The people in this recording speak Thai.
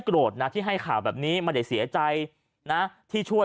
โรธนะที่ให้ข่าวแบบนี้ไม่ได้เสียใจนะที่ช่วย